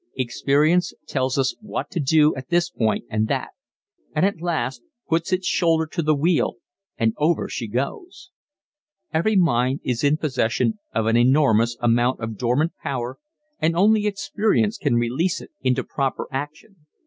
Experience tells us what to do at this point and that and at last puts its shoulder to the wheel and "over she goes!" Every mind is in possession of an enormous amount of dormant power and only experience can release it into proper action.